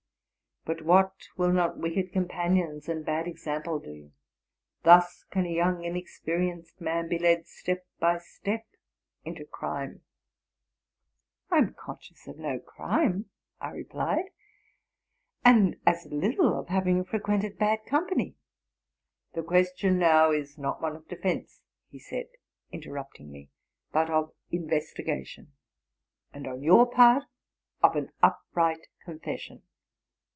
But what will not wicked companions and bad example do! Thus can a young, inexperienced man be led step by step into crime!''—'*I am conscious of no erime,'' I re plied, '' and as little of having frequented bad company.'' —'* The question now is. not one of defence,' said he, in terrupting me, '*' but of investigation, and on your part of an upright confession.